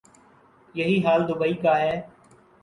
یہی حال دوبئی کا ہے۔